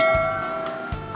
aku baru datang kenapa kamu pergi